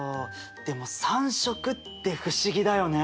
でも３色って不思議だよね。